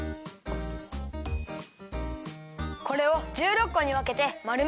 これを１６こにわけてまるめるよ。